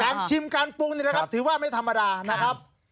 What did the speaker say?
ชิมการปรุงนี่นะครับถือว่าไม่ธรรมดานะครับ